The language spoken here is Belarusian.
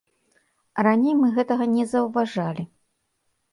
Раней мы гэтага не заўважалі.